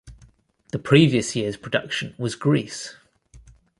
The previous year's production was "Grease".